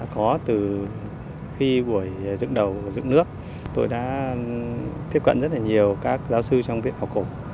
có từ khi buổi dẫn đầu và dựng nước tôi đã tiếp cận rất là nhiều các giáo sư trong viện khảo cổ